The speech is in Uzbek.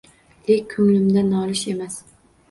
Lek ko’nglimda nolish emas